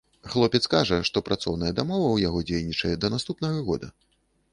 Хлопец кажа, што працоўная дамова ў яго дзейнічае да наступнага года.